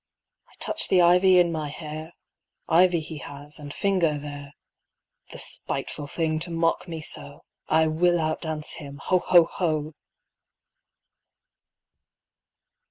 I touch the ivy in my hair; Ivy he has and finger there. The spiteful thing to mock me so!I will outdance him! Ho, ho, ho!